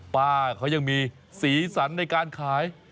ป้าเขายังมีสีสันในการขาย